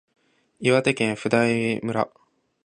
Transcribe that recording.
岩手県普代村